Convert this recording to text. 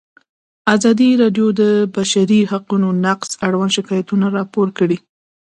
ازادي راډیو د د بشري حقونو نقض اړوند شکایتونه راپور کړي.